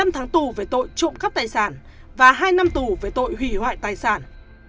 một mươi tháng tù về tội trộm cắp tài sản và hai năm tù về tội hủy hoại tài sản